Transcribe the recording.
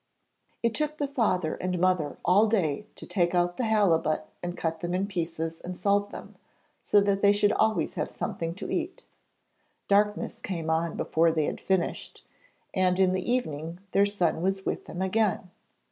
It took the father and mother all day to take out the halibut and cut them in pieces and salt them, so that they should always have something to eat. Darkness came on before they had finished, and in the evening their son was with them again.